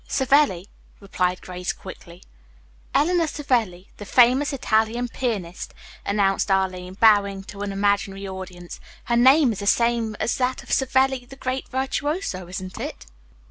"Savelli," replied Grace quickly. "Eleanor Savelli, the famous Italian pianiste," announced Arline, bowing to an imaginary audience. "Her name is the same as that of Savelli, the great virtuoso, isn't it?"